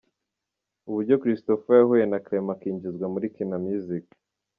Uburyo Christopher yahuye na Clement akinjizwa muri Kina Music.